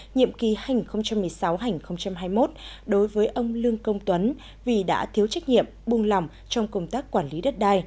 nhiệm kỳ hành một mươi sáu hai mươi một đối với ông lương công tuấn vì đã thiếu trách nhiệm buông lòng trong công tác quản lý đất đai